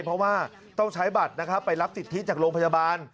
เพราะว่าต้องใช้บัตรนะครับไปรับสิทธิจากโรงพยาบาล